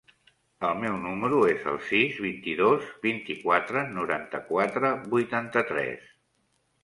El meu número es el sis, vint-i-dos, vint-i-quatre, noranta-quatre, vuitanta-tres.